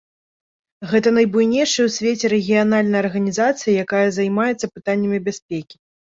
Гэта найбуйнейшая ў свеце рэгіянальная арганізацыя, якая займаецца пытаннямі бяспекі.